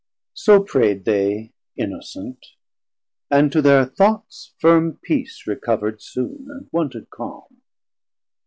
So pray'd they innocent, and to thir thoughts Firm peace recoverd soon and wonted calm.